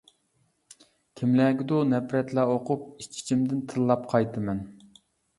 كىملەرگىدۇر نەپرەتلەر ئۇقۇپ، ئىچ-ئىچىمدىن تىللاپ قايتىمەن.